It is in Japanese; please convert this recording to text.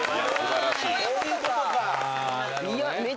そういうことか。